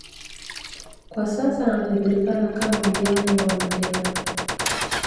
kwa sasa anajulikana kama mjane wa Mandela